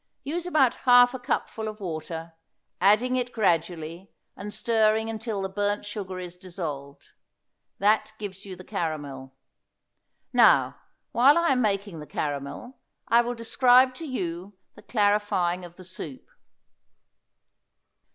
Use about half a cupful of water, adding it gradually, and stirring until the burnt sugar is dissolved. That gives you the caramel. Now, while I am making the caramel, I will describe to you the clarifying of the soup.